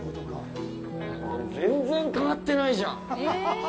なんか全然変わってないじゃん。